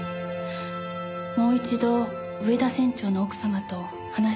もう一度上田船長の奥様と話をしてみたいと思います。